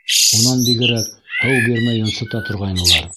Унан бигерәк, һыу бирмәй йонсота торғайнылар.